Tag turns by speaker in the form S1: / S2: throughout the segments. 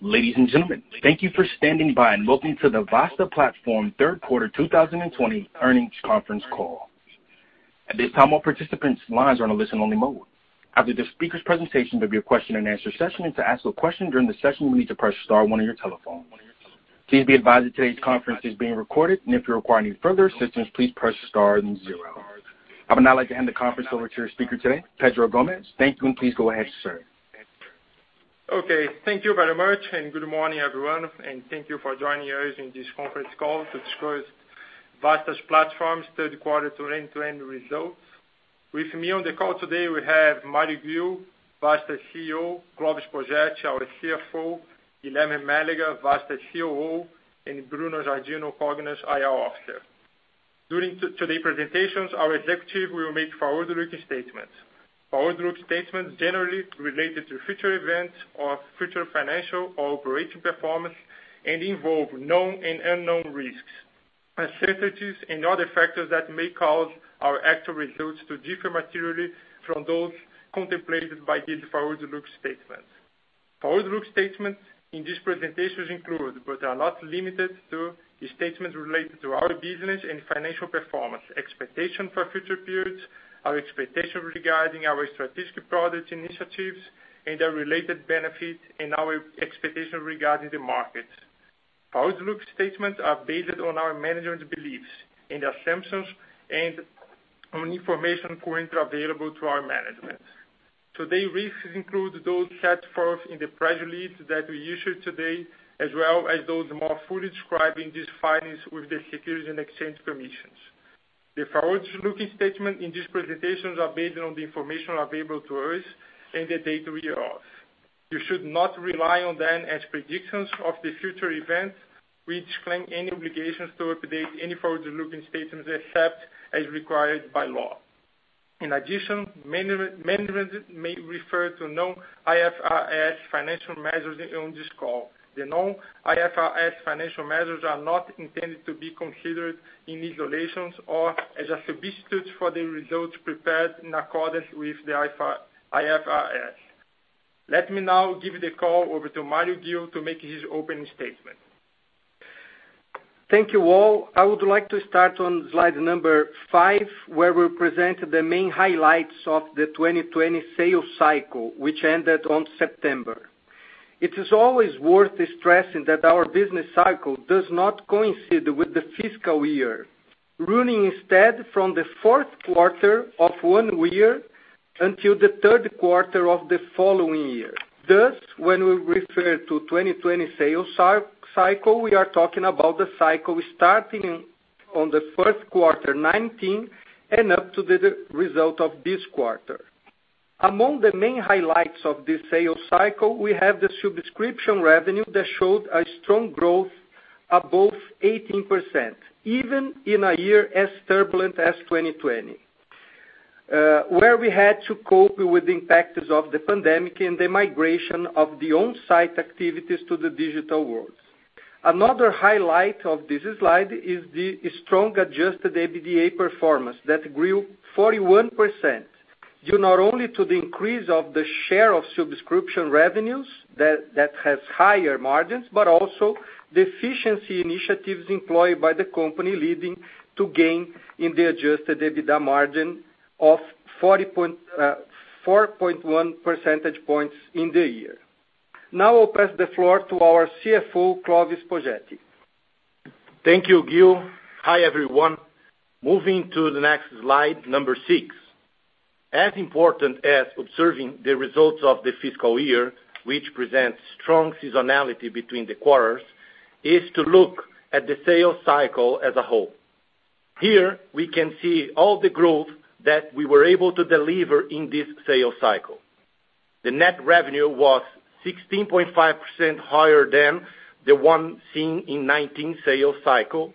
S1: Ladies and gentlemen, thank you for standing by and welcome to the Vasta Platform third quarter 2020 earnings conference call. At this time, all participants' lines are on a listen-only mode. After the speakers' presentation, there will be a question and answer session, and to ask a question during the session, you will need to press star one on your telephone. Please be advised that today's conference is being recorded, and if you require any further assistance, please press star then zero. I would now like to hand the conference over to your speaker today, Pedro Gomes. Thank you, and please go ahead, sir.
S2: Thank you very much. Good morning, everyone, thank you for joining us in this conference call to discuss Vasta Platform's third quarter 2020 results. With me on the call today, we have Mário Ghio, Vasta CEO, Clovis Poggetti, our CFO, Guilherme Mélega, Vasta COO, and Bruno Giardino, Cogna IR Officer. During today's presentations, our executive will make forward-looking statements. Forward-looking statements generally related to future events or future financial or operating performance and involve known and unknown risks, uncertainties, and other factors that may cause our actual results to differ materially from those contemplated by these forward-looking statements. Forward-looking statements in these presentations include, but are not limited to, the statements related to our business and financial performance, expectation for future periods, our expectations regarding our strategic product initiatives, and their related benefits, and our expectations regarding the markets. Forward-looking statements are based on our management's beliefs and assumptions, and on information currently available to our management. Today, risks include those set forth in the press release that we issued today, as well as those more fully described in these filings with the Securities and Exchange Commission. The forward-looking statements in these presentations are based on the information available to us and the date thereof. You should not rely on them as predictions of future events. We disclaim any obligation to update any forward-looking statements except as required by law. Management may refer to non-IFRS financial measures on this call. The non-IFRS financial measures are not intended to be considered in isolation or as a substitute for the results prepared in accordance with the IFRS. Let me now give the call over to Mário Ghio to make his opening statement.
S3: Thank you, all. I would like to start on slide number five, where we present the main highlights of the 2020 sales cycle, which ended on September. It is always worth stressing that our business cycle does not coincide with the fiscal year, running instead from the fourth quarter of one year until the third quarter of the following year. When we refer to 2020 sales cycle, we are talking about the cycle starting on the first quarter 2019, and up to the result of this quarter. Among the main highlights of this sales cycle, we have the subscription revenue that showed a strong growth above 18%, even in a year as turbulent as 2020, where we had to cope with the impacts of the pandemic and the migration of the on-site activities to the digital world. Another highlight of this slide is the strong adjusted EBITDA performance that grew 41%, due not only to the increase of the share of subscription revenues that has higher margins, but also the efficiency initiatives employed by the company, leading to gain in the adjusted EBITDA margin of 4.1 percentage points in the year. Now I'll pass the floor to our CFO, Clovis Poggetti.
S4: Thank you, Ghio. Hi, everyone. Moving to the next slide, number six. As important as observing the results of the fiscal year, which presents strong seasonality between the quarters, is to look at the sales cycle as a whole. Here, we can see all the growth that we were able to deliver in this sales cycle. The net revenue was 16.5% higher than the one seen in 2019 sales cycle.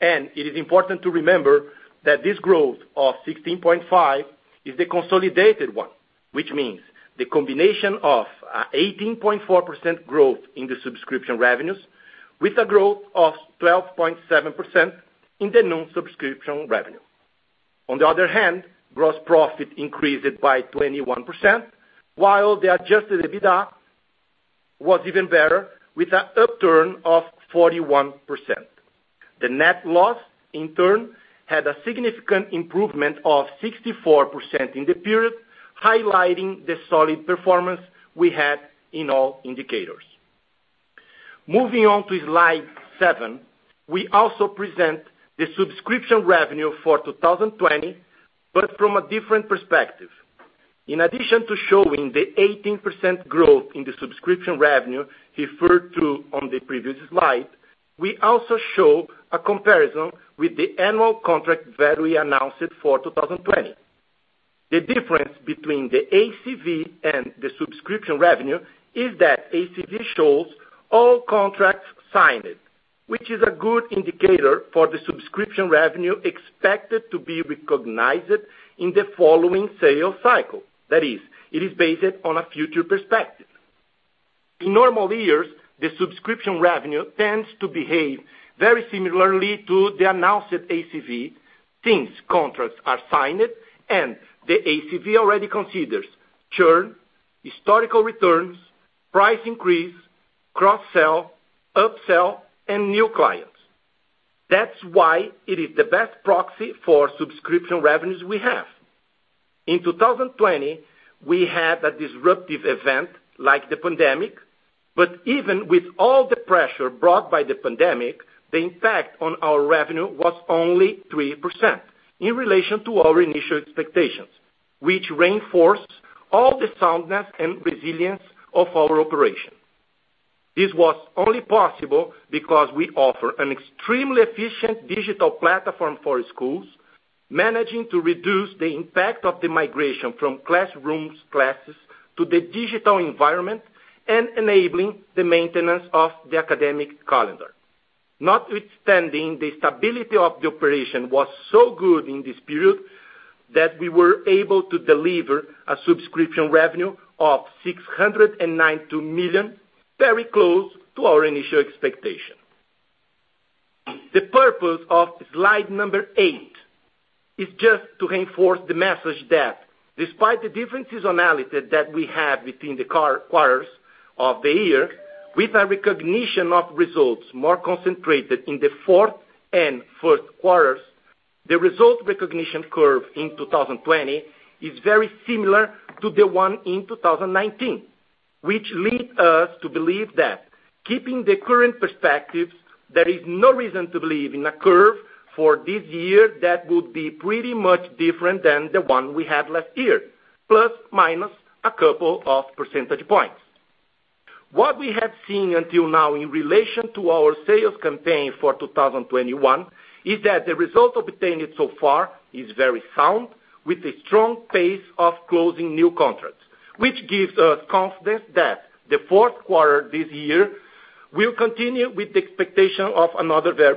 S4: It is important to remember that this growth of 16.5% is the consolidated one, which means the combination of 18.4% growth in the subscription revenues, with a growth of 12.7% in the non-subscription revenue. On the other hand, gross profit increased by 21%, while the adjusted EBITDA was even better, with a upturn of 41%. The net loss, in turn, had a significant improvement of 64% in the period, highlighting the solid performance we had in all indicators. Moving on to slide seven, we also present the subscription revenue for 2020 from a different perspective. In addition to showing the 18% growth in the subscription revenue referred to on the previous slide, we also show a comparison with the annual contract that we announced for 2020. The difference between the ACV and the subscription revenue is that ACV shows all contracts signed, which is a good indicator for the subscription revenue expected to be recognized in the following sales cycle. That is, it is based on a future perspective. In normal years, the subscription revenue tends to behave very similarly to the announced ACV, since contracts are signed and the ACV already considers churn, historical returns, price increase, cross-sell, up-sell, and new clients. It is the best proxy for subscription revenues we have. In 2020, we had a disruptive event like the pandemic, but even with all the pressure brought by the pandemic, the impact on our revenue was only 3% in relation to our initial expectations, which reinforced all the soundness and resilience of our operation. This was only possible because we offer an extremely efficient digital platform for schools, managing to reduce the impact of the migration from classrooms classes to the digital environment and enabling the maintenance of the academic calendar. Notwithstanding, the stability of the operation was so good in this period that we were able to deliver a subscription revenue of 692 million, very close to our initial expectation. The purpose of slide number eight is just to reinforce the message that despite the different seasonality that we have between the quarters of the year, with a recognition of results more concentrated in the fourth and first quarters, the result recognition curve in 2020 is very similar to the one in 2019. Which lead us to believe that keeping the current perspectives, there is no reason to believe in a curve for this year that would be pretty much different than the one we had last year, plus minus a couple of percentage points. What we have seen until now in relation to our sales campaign for 2021 is that the result obtained so far is very sound, with a strong pace of closing new contracts, which gives us confidence that the fourth quarter this year will continue with the expectation of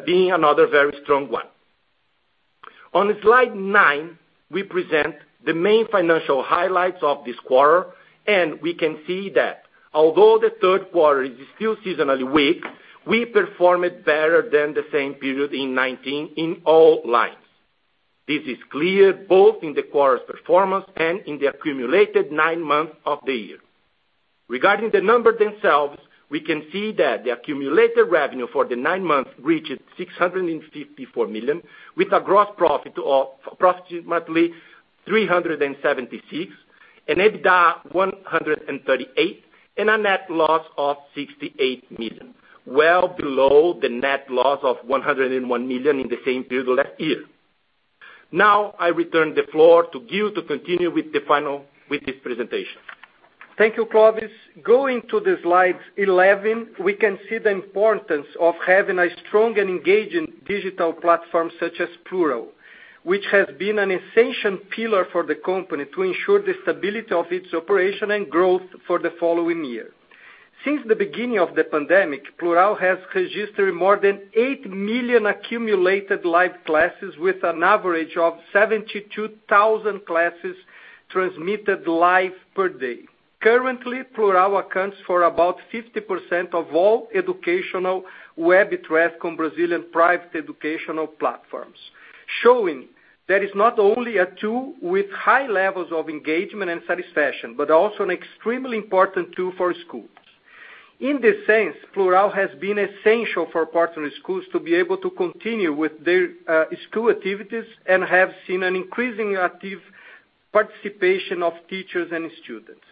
S4: being another very strong one. On slide nine, we present the main financial highlights of this quarter. We can see that although the third quarter is still seasonally weak, we performed better than the same period in 2019 in all lines. This is clear both in the quarter's performance and in the accumulated nine months of the year. Regarding the numbers themselves, we can see that the accumulated revenue for the nine months reached 654 million, with a gross profit of approximately 376 million, an EBITDA 138 million, and a net loss of 68 million, well below the net loss of 101 million in the same period last year. Now, I return the floor to Ghio to continue with this presentation.
S3: Thank you, Clovis. Going to the slide 11, we can see the importance of having a strong and engaging digital platform such as Plurall, which has been an essential pillar for the company to ensure the stability of its operation and growth for the following year. Since the beginning of the pandemic, Plurall has registered more than 8 million accumulated live classes with an average of 72,000 classes transmitted live per day. Currently, Plurall accounts for about 50% of all educational web traffic on Brazilian private educational platforms, showing that it's not only a tool with high levels of engagement and satisfaction, but also an extremely important tool for schools. In this sense, Plurall has been essential for partner schools to be able to continue with their school activities and have seen an increasing active participation of teachers and students.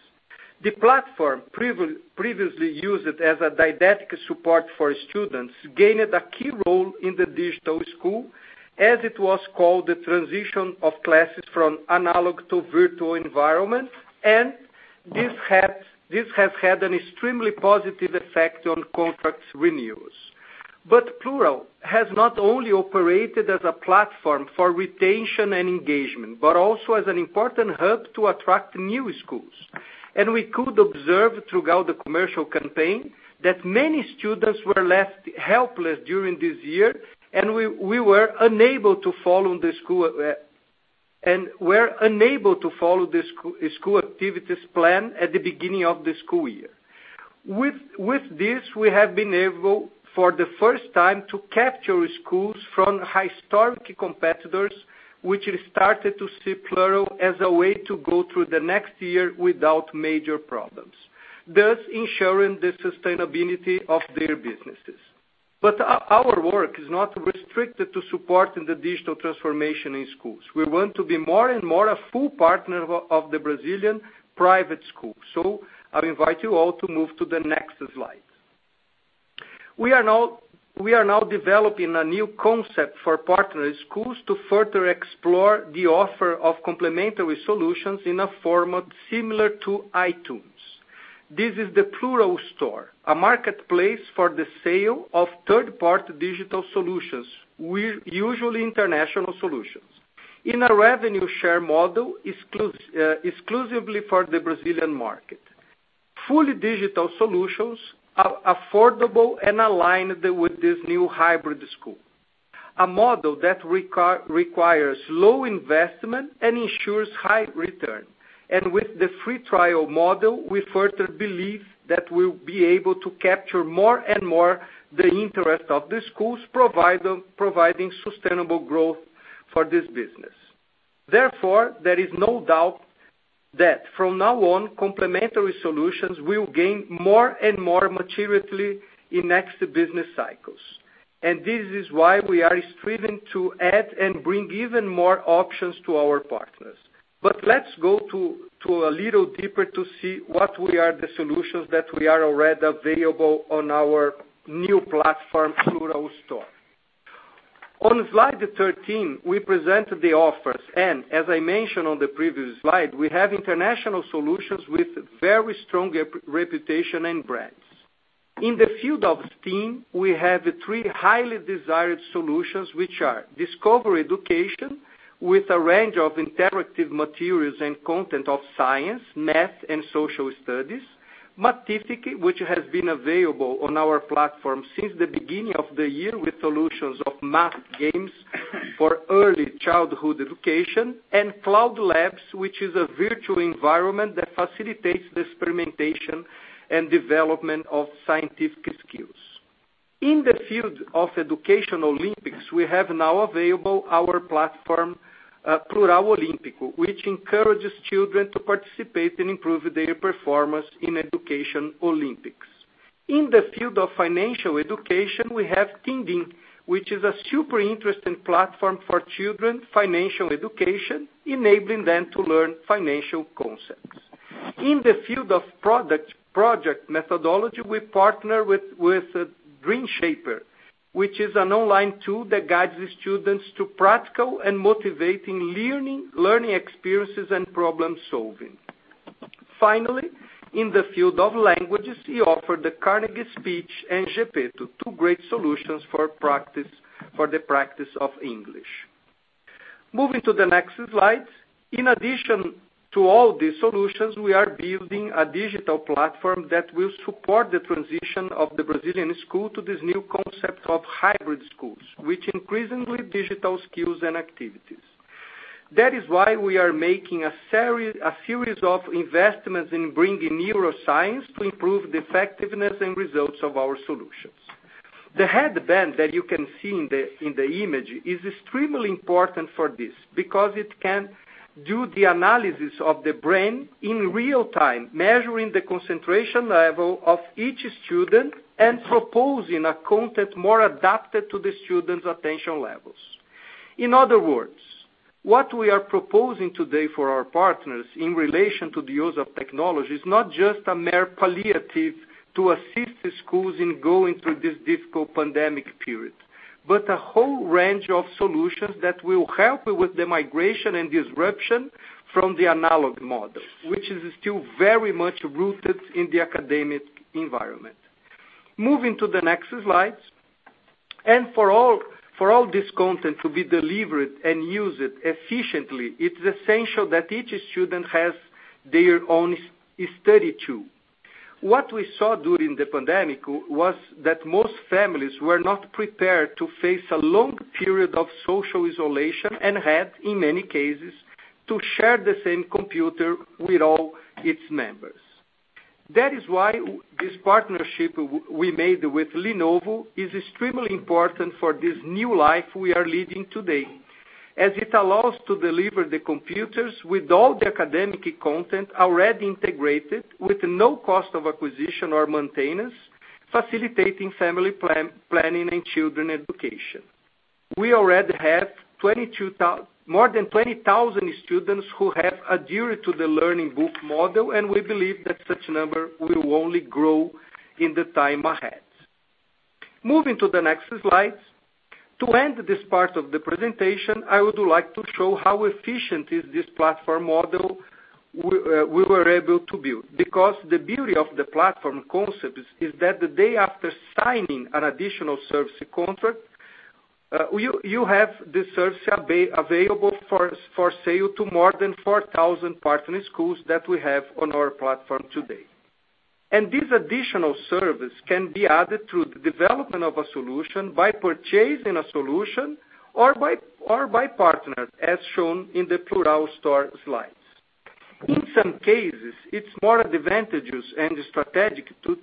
S3: The platform previously used as a didactic support for students, gained a key role in the digital school as it was called the transition of classes from analog to virtual environment, and this has had an extremely positive effect on contracts renewals. Plurall has not only operated as a platform for retention and engagement, but also as an important hub to attract new schools. We could observe throughout the commercial campaign that many students were left helpless during this year and were unable to follow the school activities plan at the beginning of the school year. With this, we have been able, for the first time, to capture schools from historic competitors, which started to see Plurall as a way to go through the next year without major problems, thus ensuring the sustainability of their businesses. Our work is not restricted to support in the digital transformation in schools. We want to be more and more a full partner of the Brazilian private school. I'll invite you all to move to the next slide. We are now developing a new concept for partner schools to further explore the offer of complementary solutions in a format similar to iTunes. This is the Plurall Store, a marketplace for the sale of third-party digital solutions, usually international solutions. In a revenue share model exclusively for the Brazilian market. Fully digital solutions are affordable and aligned with this new hybrid school. A model that requires low investment and ensures high return. With the free trial model, we further believe that we'll be able to capture more and more the interest of the schools, providing sustainable growth for this business. Therefore, there is no doubt that from now on, complementary solutions will gain more and more materially in next business cycles. This is why we are striving to add and bring even more options to our partners. Let's go a little deeper to see what are the solutions that are already available on our new platform, Plurall Store. On slide 13, we present the offers, and as I mentioned on the previous slide, we have international solutions with very strong reputation and brands. In the field of STEAM, we have three highly desired solutions, which are Discovery Education, with a range of interactive materials and content of science, math, and social studies. Matific, which has been available on our platform since the beginning of the year with solutions of math games for early childhood education. CloudLabs, which is a virtual environment that facilitates the experimentation and development of scientific skills. In the field of Education Olympics, we have now available our platform, Plurall Olímpico, which encourages children to participate and improve their performance in Education Olympics. In the field of financial education, we have Tindin, which is a super interesting platform for children financial education, enabling them to learn financial concepts. In the field of project methodology, we partner with DreamShaper, which is an online tool that guides the students to practical and motivating learning experiences and problem-solving. Finally, in the field of languages, we offer the Carnegie Speech and Geppetto, two great solutions for the practice of English. Moving to the next slide. In addition to all these solutions, we are building a digital platform that will support the transition of the Brazilian school to this new concept of hybrid schools, with increasingly digital skills and activities. That is why we are making a series of investments in bringing neuroscience to improve the effectiveness and results of our solutions. The headband that you can see in the image is extremely important for this, because it can do the analysis of the brain in real time, measuring the concentration level of each student and proposing a content more adapted to the student's attention levels. In other words, what we are proposing today for our partners in relation to the use of technology is not just a mere palliative to assist the schools in going through this difficult pandemic period, but a whole range of solutions that will help with the migration and disruption from the analog model, which is still very much rooted in the academic environment. Moving to the next slide. For all this content to be delivered and used efficiently, it's essential that each student has their own study tool. What we saw during the pandemic was that most families were not prepared to face a long period of social isolation and had, in many cases, to share the same computer with all its members. That is why this partnership we made with Lenovo is extremely important for this new life we are living today, as it allows to deliver the computers with all the academic content already integrated with no cost of acquisition or maintenance, facilitating family planning and children education. We already have more than 20,000 students who have adhered to the Learning Book model, and we believe that such number will only grow in the time ahead. Moving to the next slide. To end this part of the presentation, I would like to show how efficient is this platform model we were able to build, because the beauty of the platform concept is that the day after signing an additional service contract, you have the service available for sale to more than 4,000 partner schools that we have on our platform today. This additional service can be added to the development of a solution by purchasing a solution or by partners, as shown in the Plurall Store, slides. In some cases, it is more advantageous and strategic to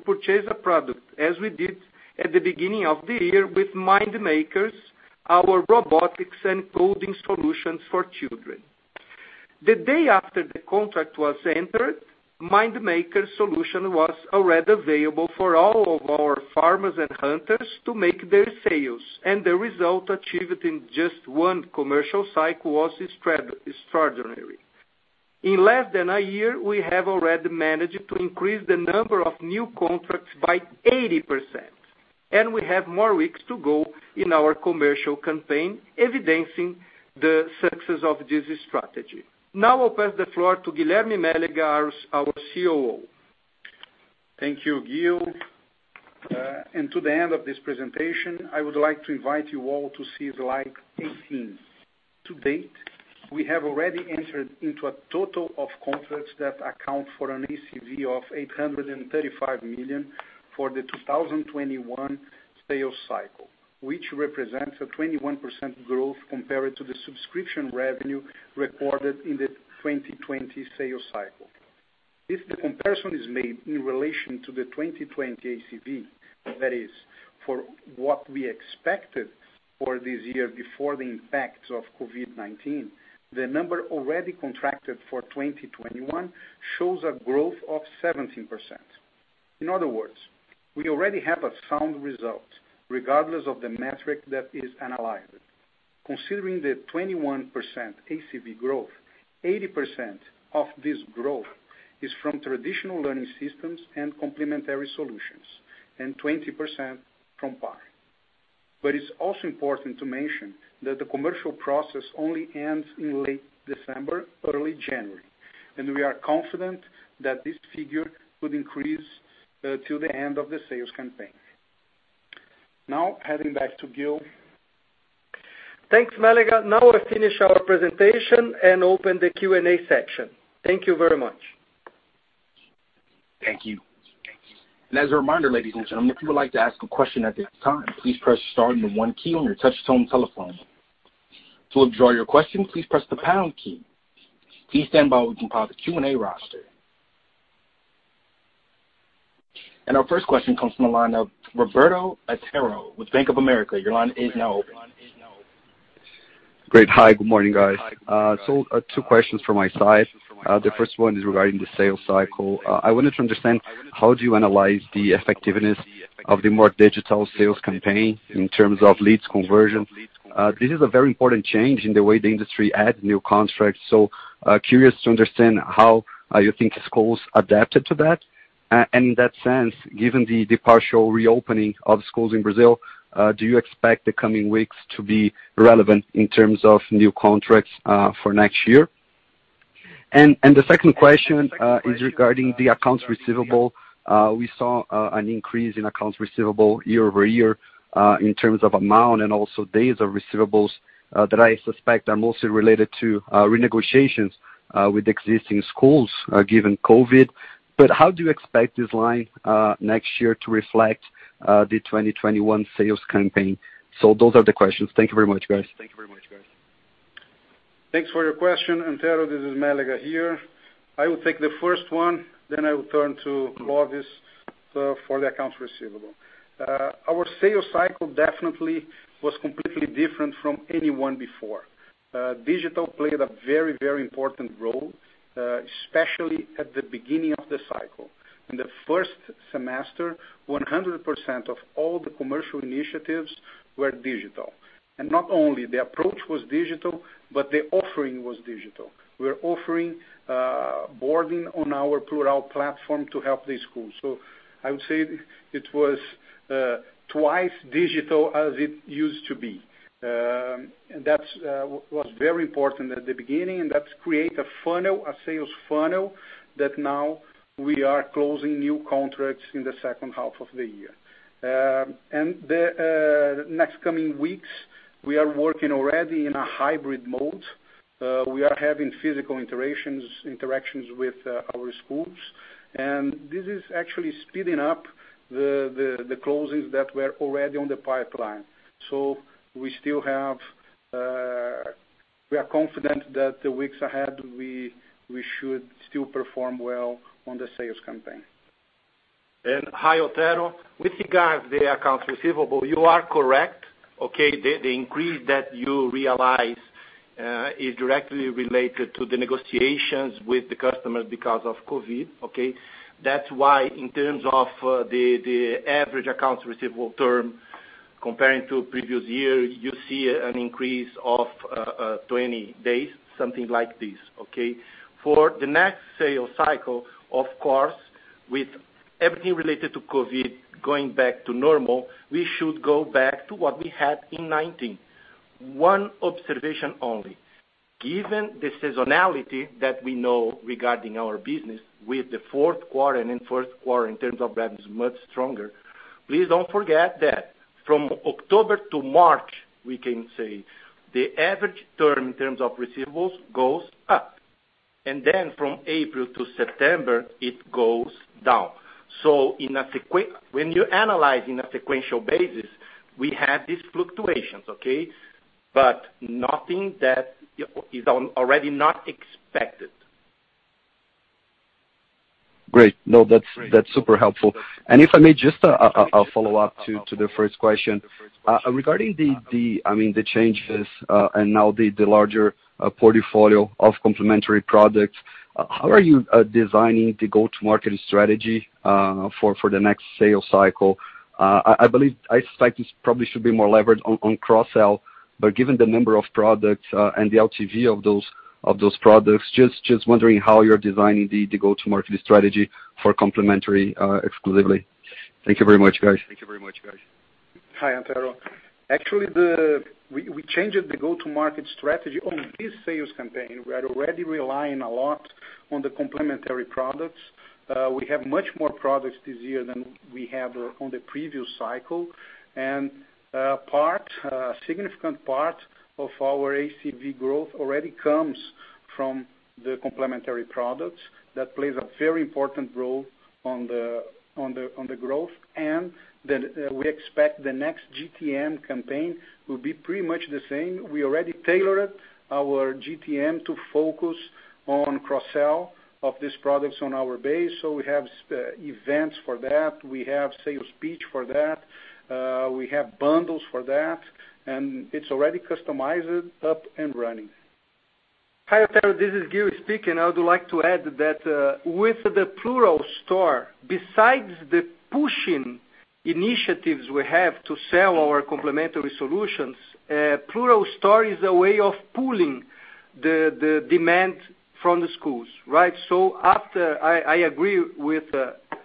S3: purchase a product as we did at the beginning of the year with MindMakers, our robotics and coding solutions for children. The day after the contract was entered, MindMakers solution was already available for all of our farmers and hunters to make their sales, and the result achieved in just one commercial cycle was extraordinary. In less than a year, we have already managed to increase the number of new contracts by 80%, and we have more weeks to go in our commercial campaign evidencing the success of this strategy. Now open the floor to Guilherme Mélega, our COO.
S5: Thank you, Ghio. To the end of this presentation, I would like to invite you all to see slide 18. To date, we have already entered into a total of contracts that account for an ACV of 835 million for the 2021 sales cycle, which represents a 21% growth compared to the subscription revenue recorded in the 2020 sales cycle. If the comparison is made in relation to the 2020 ACV, that is for what we expected for this year before the impact of COVID-19, the number already contracted for 2021 shows a growth of 17%. In other words, we already have a sound result regardless of the metric that is analyzed. Considering the 21% ACV growth, 80% of this growth is from traditional learning systems and complementary solutions, and 20% from PAR. It's also important to mention that the commercial process only ends in late December, early January, and we are confident that this figure would increase till the end of the sales campaign. Now heading back to Ghio.
S3: Thanks, Mélega. Now I finish our presentation and open the Q&A section. Thank you very much.
S1: Thank you. As a reminder, ladies and gentlemen, if you would like to ask a question at this time, please press star and the one key on your touchtone telephone. To withdraw your question, please press the pound key. Please stand by while we compile the Q&A roster. Our first question comes from the line of Roberto Otero with Bank of America. Your line is now open.
S6: Great. Hi, good morning, guys. Two questions from my side. The first one is regarding the sales cycle. I wanted to understand, how do you analyze the effectiveness of the more digital sales campaign in terms of leads conversion? This is a very important change in the way the industry adds new contracts. Curious to understand how you think schools adapted to that. In that sense, given the partial reopening of schools in Brazil, do you expect the coming weeks to be relevant in terms of new contracts for next year? The second question is regarding the accounts receivable. We saw an increase in accounts receivable year-over-year in terms of amount and also days of receivables that I suspect are mostly related to renegotiations with existing schools, given COVID. How do you expect this line next year to reflect the 2021 sales campaign? Those are the questions. Thank you very much, guys.
S5: Thanks for your question, Otero. This is Mélega here. I will take the first one, then I will turn to Clovis for the accounts receivable. Our sales cycle definitely was completely different from any one before. Digital played a very important role, especially at the beginning of the cycle. In the first semester, 100% of all the commercial initiatives were digital. Not only the approach was digital, but the offering was digital. We're offering boarding on our Plurall platform to help the school. I would say it was twice digital as it used to be. That was very important at the beginning, and that's create a funnel, a sales funnel that now we are closing new contracts in the second half of the year. The next coming weeks, we are working already in a hybrid mode. We are having physical interactions with our schools, and this is actually speeding up the closings that were already on the pipeline. We are confident that the weeks ahead, we should still perform well on the sales campaign.
S4: Hi, Otero. With regards to the accounts receivable, you are correct. Okay. The increase that you realize is directly related to the negotiations with the customers because of COVID. Okay. That's why, in terms of the average accounts receivable term comparing to previous year, you see an increase of 20 days, something like this. Okay. For the next sales cycle, of course, with everything related to COVID going back to normal, we should go back to what we had in 2019. One observation only. Given the seasonality that we know regarding our business with the fourth quarter and in first quarter in terms of that is much stronger, please don't forget that from October to March, we can say the average term in terms of receivables goes up. Then from April to September, it goes down. When you analyze in a sequential basis, we have these fluctuations, okay. Nothing that is already not expected.
S6: Great. No, that's super helpful. If I may just a follow-up to the first question. Regarding the changes and now the larger portfolio of complementary products, how are you designing the go-to-market strategy for the next sales cycle? I believe, I suspect it probably should be more levered on cross-sell, but given the number of products and the LTV of those products, just wondering how you're designing the go-to-market strategy for complementary exclusively. Thank you very much, guys.
S5: Hi, Otero. Actually, we changed the go-to-market strategy on this sales campaign. We are already relying a lot on the complementary products. We have much more products this year than we have on the previous cycle. A significant part of our ACV growth already comes from the complementary products. That plays a very important role on the growth. We expect the next GTM campaign will be pretty much the same. We already tailored our GTM to focus on cross-sell of these products on our base. We have events for that. We have sales speech for that. We have bundles for that. It's already customized, up and running.
S3: Hi, Roberto, this is Ghio speaking. I would like to add that with the Plurall Store, besides the pushing initiatives we have to sell our complementary solutions, Plurall Store, is a way of pulling the demand from the schools, right? I agree with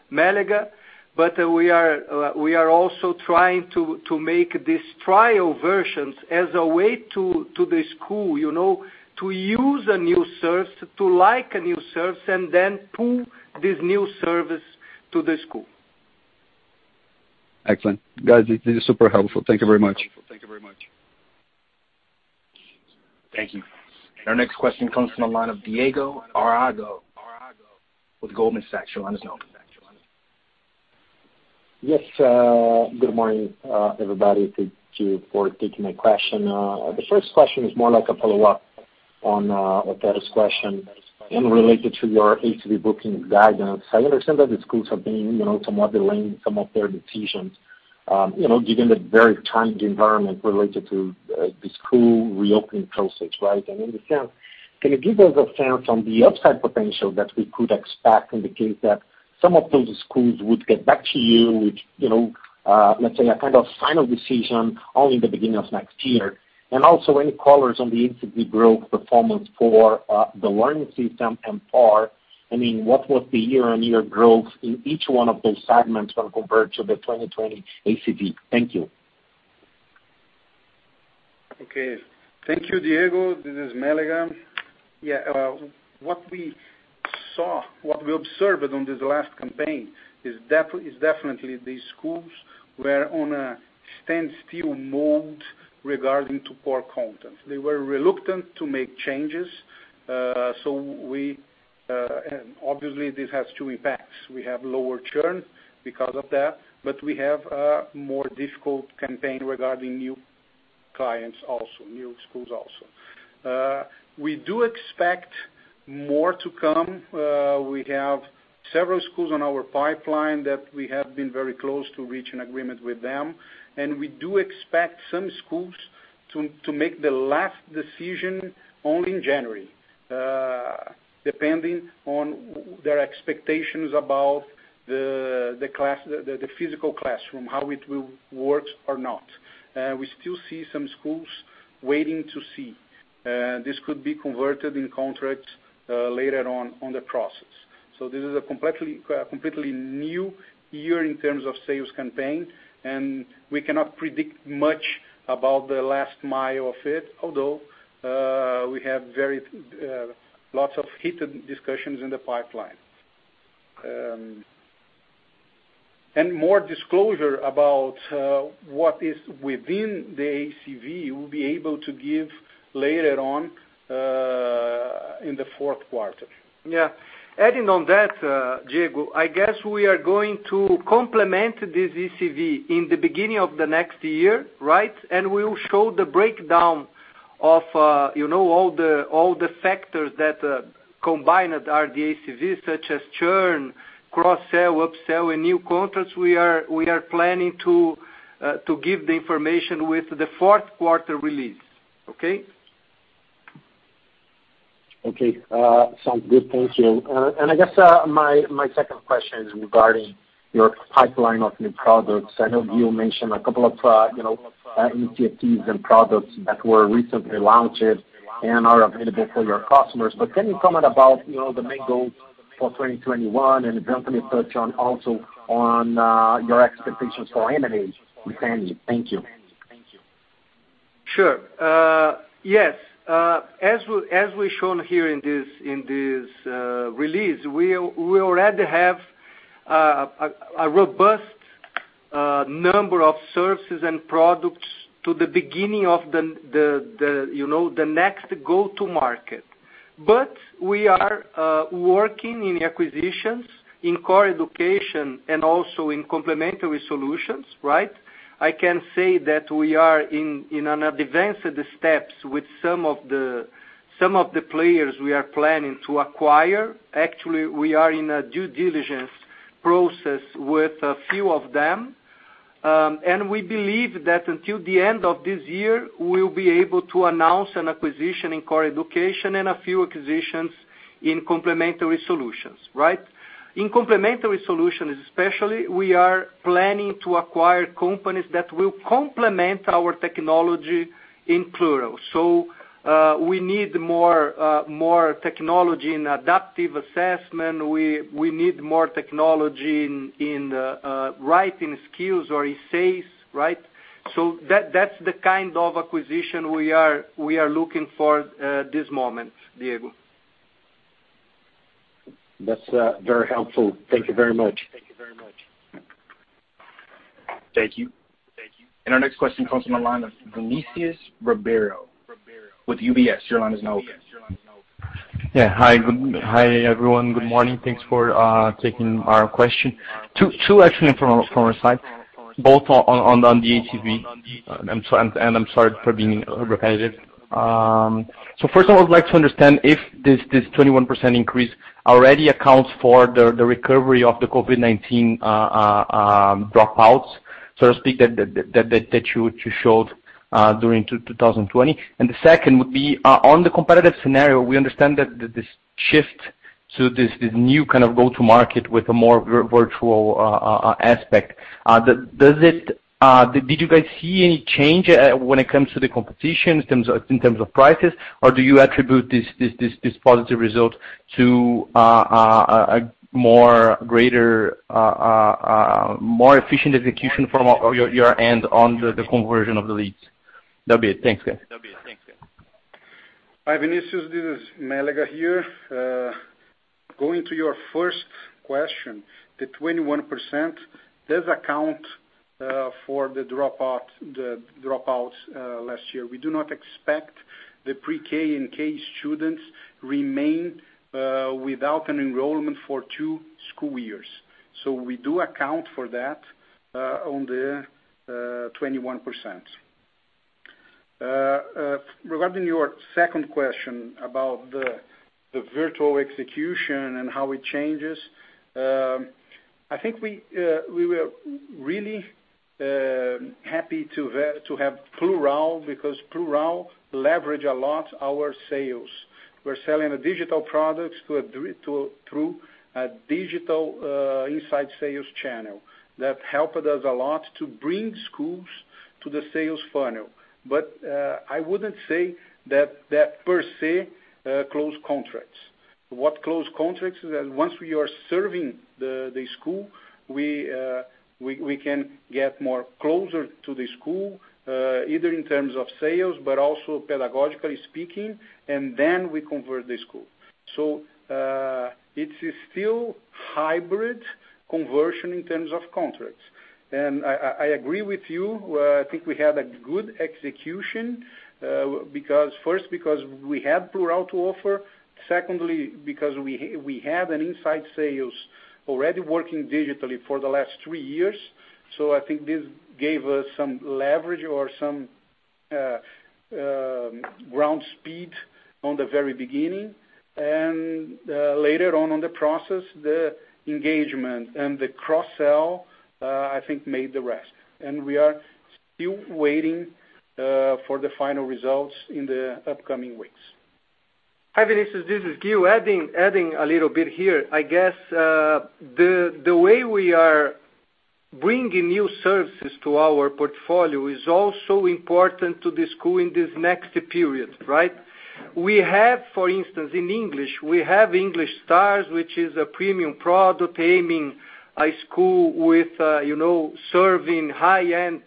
S3: Mélega, but we are also trying to make these trial versions as a way to the school, to use a new service, to like a new service, and then pull this new service to the school.
S6: Excellent. Guys, this is super helpful. Thank you very much.
S1: Thank you. Our next question comes from the line of Diego Aragão with Goldman Sachs. Your line is now open.
S7: Yes. Good morning, everybody. Thank you for taking my question. The first question is more like a follow-up on Otero's question and related to your ACV booking guidance. I understand that the schools have been remodeling some of their decisions given the very challenging environment related to the school reopening process, right? In the sense, can you give us a sense on the upside potential that we could expect in the case that some of those schools would get back to you with, let's say, a kind of final decision only in the beginning of next year? Also, any colors on the ACV growth performance for the learning system and PAR. What was the year-on-year growth in each one of those segments when compared to the 2020 ACV? Thank you.
S5: Okay. Thank you, Diego. This is Mélega. What we observed on this last campaign is definitely these schools were on a standstill mode regarding to core content. They were reluctant to make changes. This has two impacts. We have lower churn because of that. We have a more difficult campaign regarding new clients also, new schools also. We do expect more to come. We have several schools on our pipeline that we have been very close to reach an agreement with them. We do expect some schools to make the last decision only in January, depending on their expectations about the physical classroom, how it will work or not. We still see some schools waiting to see. This could be converted in contracts later on the process. This is a completely new year in terms of sales campaign, and we cannot predict much about the last mile of it, although we have lots of heated discussions in the pipeline. More disclosure about what is within the ACV, we'll be able to give later on in the fourth quarter.
S3: Yeah. Adding on that, Diego, I guess we are going to complement this ACV in the beginning of the next year, right? We will show the breakdown of all the factors that combined are the ACV, such as churn, cross-sell, up-sell, and new contracts. We are planning to give the information with the fourth quarter release. Okay?
S7: Okay. Sounds good. Thank you. I guess my second question is regarding your pipeline of new products. I know you mentioned a couple of [new TFE] and products that were recently launched and are available for your customers. Can you comment about the main goals for 2021 and then can you touch on also on your expectations for M&A this year? Thank you.
S3: Sure. Yes. As we've shown here in this release, we already have a robust number of services and products to the beginning of the next go-to market. We are working in acquisitions in core education and also in complementary solutions, right? I can say that we are in an advanced steps with some of the players we are planning to acquire. Actually, we are in a due diligence process with a few of them. We believe that until the end of this year, we'll be able to announce an acquisition in core education and a few acquisitions in complementary solutions, right? In complementary solutions especially, we are planning to acquire companies that will complement our technology in Plurall. We need more technology in adaptive assessment. We need more technology in writing skills or essays, right? That's the kind of acquisition we are looking for at this moment, Diego.
S7: That's very helpful. Thank you very much.
S1: Thank you. Our next question comes from the line of Vinicius Ribeiro with UBS. Your line is now open.
S8: Yeah. Hi, everyone. Good morning. Thanks for taking our question. Two actually from our side, both on the ACV. I'm sorry for being repetitive. First of all, I would like to understand if this 21% increase already accounts for the recovery of the COVID-19 dropouts, so to speak, that you showed during 2020. The second would be on the competitive scenario, we understand that this new kind of go to market with a more virtual aspect. Did you guys see any change when it comes to the competition in terms of prices, or do you attribute this positive result to a more efficient execution from your end on the conversion of the leads? That'll be it. Thanks, guys.
S5: Hi, Vinicius. This is Mélega here. Going to your first question, the 21%, does account for the dropouts last year. We do not expect the pre-K and K students remain without an enrollment for two school years. We do account for that on the 21%. Regarding your second question about the virtual execution and how it changes, I think we were really happy to have Plurall because Plurall leverage a lot our sales. We are selling the digital products through a digital inside sales channel. That helped us a lot to bring schools to the sales funnel. I wouldn't say that per se, close contracts. What close contracts is that once we are serving the school, we can get more closer to the school, either in terms of sales but also pedagogically speaking, and then we convert the school. It's still hybrid conversion in terms of contracts. I agree with you, I think we had a good execution first, because we had Plurall to offer, secondly, because we had an inside sales already working digitally for the last three years. I think this gave us some leverage or some ground speed on the very beginning. Later on the process, the engagement and the cross-sell I think made the rest. We are still waiting for the final results in the upcoming weeks.
S3: Hi, Vinicius, this is Ghio. Adding a little bit here, I guess the way we are bringing new services to our portfolio is also important to the school in this next period, right? We have, for instance, in English, we have English Stars, which is a premium product aiming a school with serving high-end,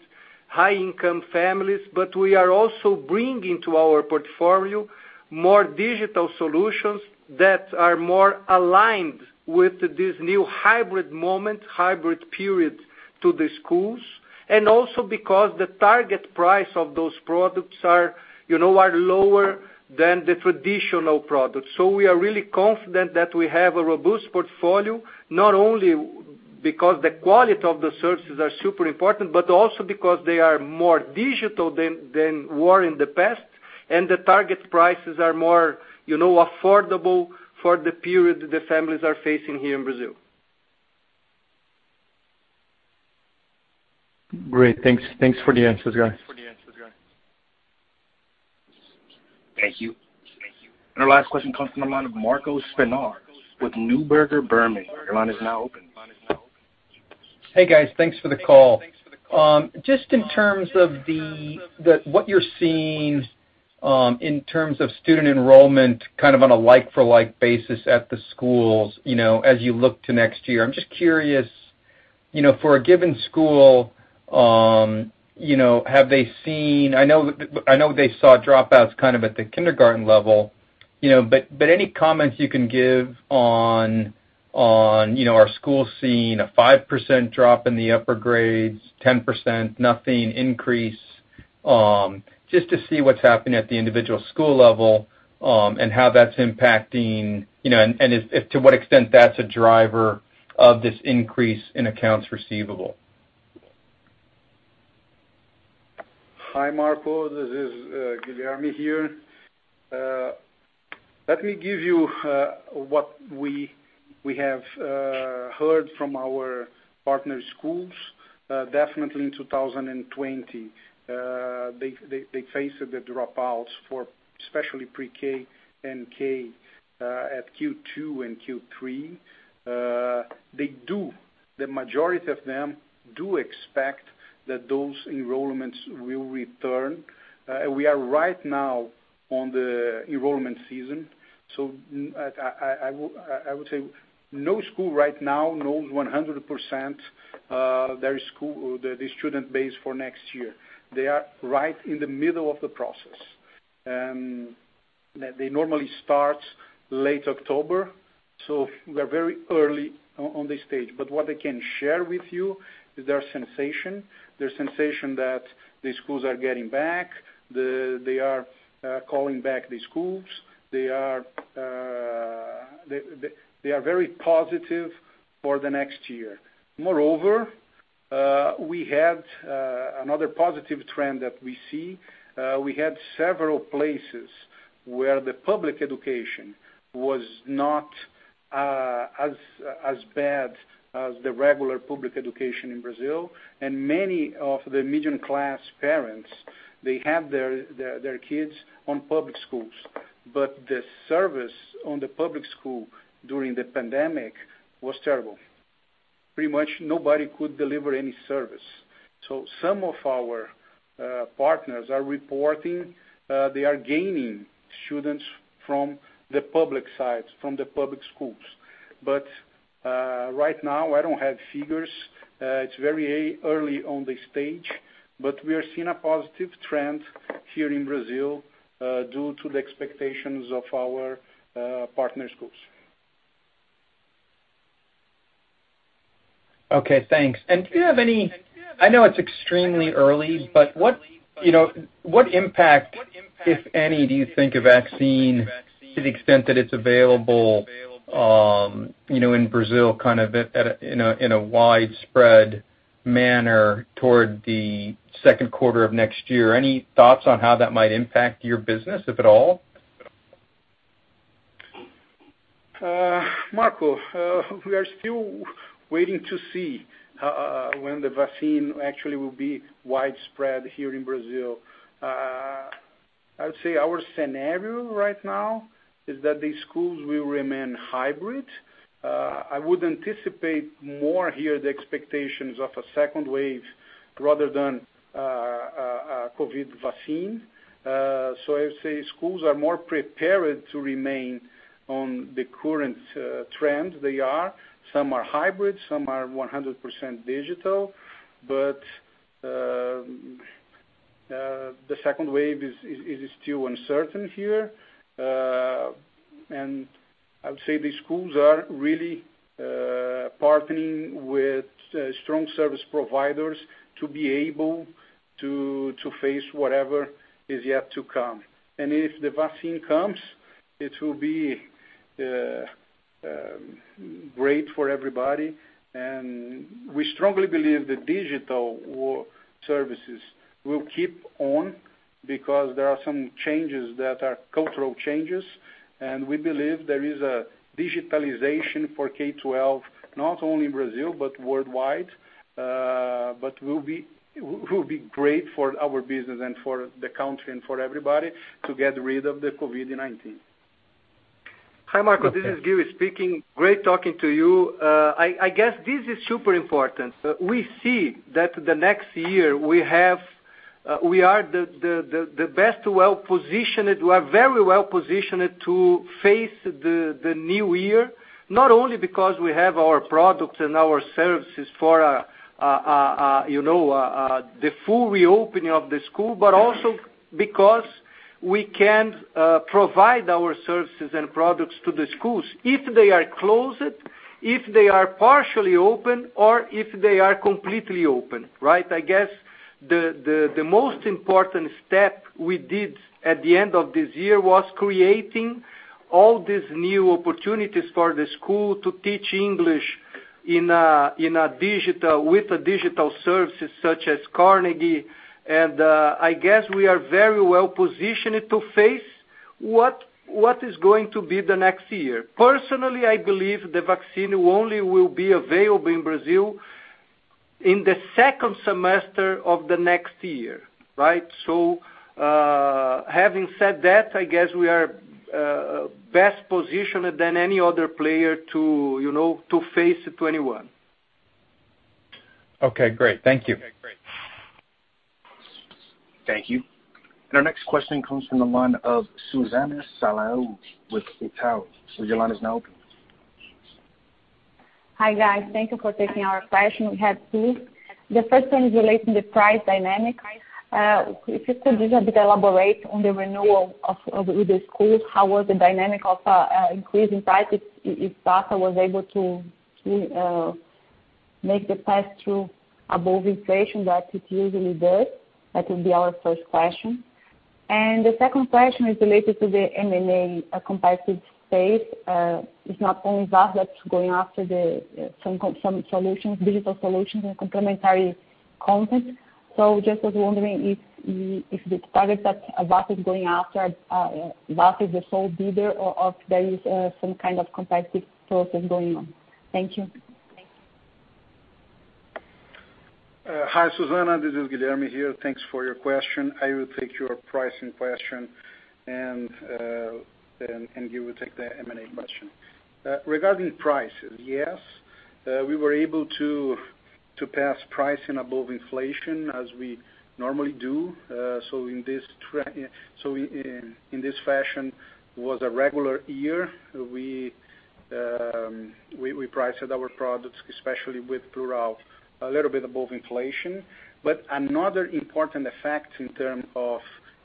S3: high-income families. We are also bringing to our portfolio more digital solutions that are more aligned with this new hybrid moment, hybrid period to the schools. Also because the target price of those products are lower than the traditional products. We are really confident that we have a robust portfolio, not only because the quality of the services are super important, but also because they are more digital than were in the past. The target prices are more affordable for the period the families are facing here in Brazil.
S8: Great. Thanks for the answers, guys.
S1: Thank you. Our last question comes from the line of Marco Spinar with Neuberger Berman. Your line is now open.
S9: Hey, guys. Thanks for the call. Just in terms of what you're seeing in terms of student enrollment, kind of on a like-for-like basis at the schools as you look to next year, I'm just curious, for a given school, I know they saw dropouts kind of at the kindergarten level. Any comments you can give on are schools seeing a 5% drop in the upper grades, 10%, nothing, increase? Just to see what's happening at the individual school level, and how that's impacting, and to what extent that's a driver of this increase in accounts receivable.
S5: Hi, Marco. This is Guilherme here. Let me give you what we have heard from our partner schools. Definitely in 2020, they faced the dropouts for especially pre-K and K at Q2 and Q3. The majority of them do expect that those enrollments will return. We are right now on the enrollment season. I would say no school right now knows 100% the student base for next year. They are right in the middle of the process. They normally start late October, we're very early on this stage. What I can share with you is their sensation. Their sensation that the schools are getting back. They are calling back the schools. They are very positive for the next year. Moreover, we had another positive trend that we see. We had several places where the public education was not as bad as the regular public education in Brazil. Many of the middle-class parents, they have their kids in public schools. The service on the public school during the pandemic was terrible. Pretty much nobody could deliver any service. Some of our partners are reporting they are gaining students from the public side, from the public schools. Right now, I don't have figures. It's very early on the stage, but we are seeing a positive trend here in Brazil due to the expectations of our partner schools.
S9: Okay, thanks. I know it's extremely early, but what impact, if any, do you think a vaccine, to the extent that it's available in Brazil kind of in a widespread manner toward the second quarter of next year. Any thoughts on how that might impact your business, if at all?
S5: Marco, we are still waiting to see when the vaccine actually will be widespread here in Brazil. I would say our scenario right now is that these schools will remain hybrid. I would anticipate more here the expectations of a second wave rather than a COVID-19 vaccine. I would say schools are more prepared to remain on the current trend they are. Some are hybrid, some are 100% digital. The second wave is still uncertain here. I would say the schools are really partnering with strong service providers to be able to face whatever is yet to come. If the vaccine comes, it will be great for everybody, and we strongly believe that digital services will keep on because there are some changes that are cultural changes, and we believe there is a digitalization for K-12 not only in Brazil but worldwide. It will be great for our business and for the country and for everybody to get rid of the COVID-19.
S3: Hi, Marco. This is Ghio speaking. Great talking to you. I guess this is super important. We see that the next year we are very well-positioned to face the new year, not only because we have our products and our services for the full reopening of the school, but also because we can provide our services and products to the schools if they are closed, if they are partially open, or if they are completely open. Right? I guess the most important step we did at the end of this year was creating all these new opportunities for the school to teach English with a digital service such as Carnegie. I guess we are very well-positioned to face what is going to be the next year. Personally, I believe the vaccine only will be available in Brazil in the second semester of the next year. Right? Having said that, I guess we are best positioned than any other player to face 2021.
S9: Okay, great. Thank you.
S1: Thank you. Our next question comes from the line of Susana Salaru with Itaú. Your line is now open.
S10: Hi, guys. Thank you for taking our question. We have two. The first one is relating to price dynamics. If you could just a bit elaborate on the renewal with the schools, how was the dynamic of increasing prices if Vasta was able to make the price through above inflation that it usually does? That will be our first question. The second question is related to the M&A competitive space. It's not only Vasta that's going after some digital solutions and complementary content. Just was wondering if the target that Vasta is going after, Vasta is the sole bidder, or if there is some kind of competitive process going on. Thank you.
S5: Hi, Susana. This is Guilherme here. Thanks for your question. I will take your pricing question, and Ghio will take the M&A question. Regarding prices, yes, we were able to pass pricing above inflation as we normally do. In this fashion was a regular year. We priced our products, especially with Plurall, a little bit above inflation. Another important effect in terms of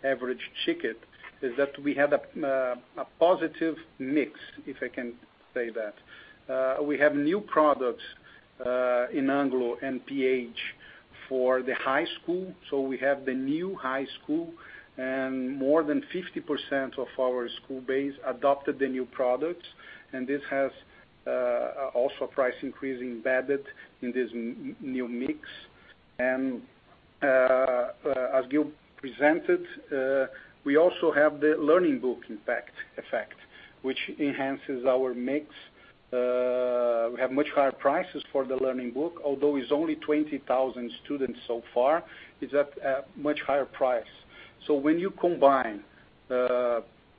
S5: average ticket is that we had a positive mix, if I can say that. We have new products in Anglo and pH for the high school. We have the new high school, and more than 50% of our school base adopted the new products, and this has also a price increase embedded in this new mix. As Ghio presented, we also have the Learning Book effect, which enhances our mix. We have much higher prices for the Learning Book, although it's only 20,000 students so far, it's at a much higher price. When you combine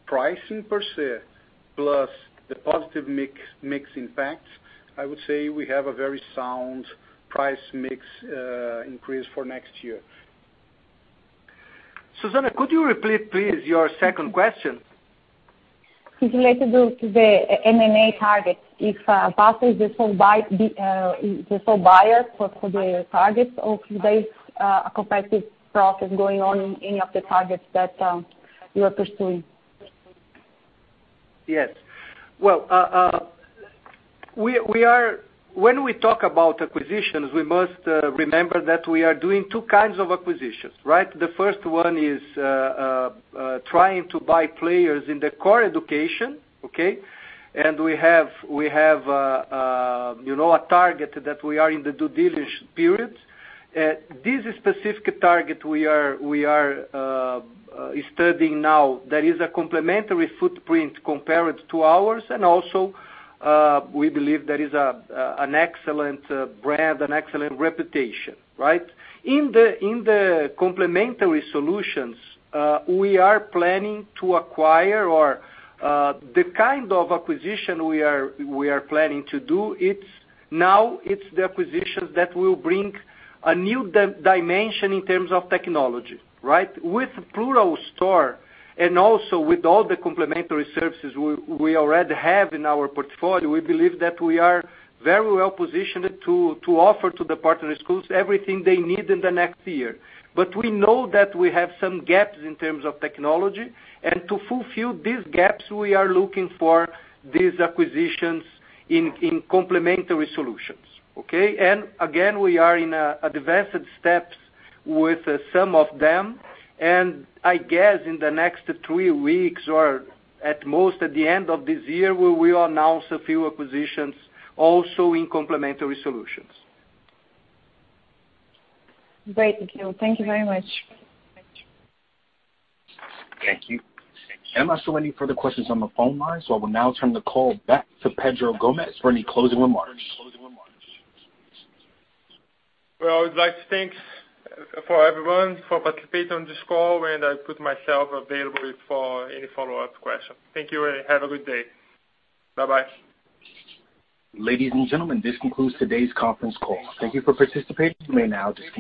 S5: pricing per se plus the positive mix impact, I would say we have a very sound price mix increase for next year.
S3: Susana, could you repeat, please, your second question?
S10: It's related to the M&A targets. If Vasta is the sole buyer for the targets, or if there is a competitive process going on in any of the targets that you are pursuing?
S3: When we talk about acquisitions, we must remember that we are doing two kinds of acquisitions. The first one is trying to buy players in the core education. Okay? We have a target that we are in the due diligence period. This specific target we are studying now, that is a complementary footprint compared to ours, and also, we believe that is an excellent brand, an excellent reputation. In the complementary solutions, we are planning to acquire or the kind of acquisition we are planning to do now, it's the acquisitions that will bring a new dimension in terms of technology. With Plurall Store and also with all the complementary services we already have in our portfolio, we believe that we are very well positioned to offer to the partner schools everything they need in the next year. We know that we have some gaps in terms of technology, and to fulfill these gaps, we are looking for these acquisitions in complementary solutions. Okay? Again, we are in advanced steps with some of them, and I guess in the next three weeks or at most at the end of this year, we will announce a few acquisitions also in complementary solutions.
S10: Great. Thank you very much.
S1: Thank you. I am not showing any further questions on the phone line. I will now turn the call back to Pedro Gomes for any closing remarks.
S2: Well, I would like to thank everyone for participating on this call. I put myself available for any follow-up questions. Thank you. Have a good day. Bye-bye.
S1: Ladies and gentlemen, this concludes today's conference call. Thank you for participating. You may now disconnect.